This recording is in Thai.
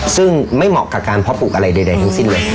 ซึ่งไม่เหมาะกับการเพาะปลูกอะไรใดทั้งสิ้นเลย